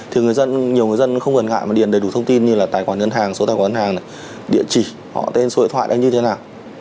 thì nhiều người dân không gần ngại mà điền đầy đủ thông tin như là tài quản nhân hàng số tài quản nhân hàng địa chỉ họ tên số hệ thoại hay như thế nào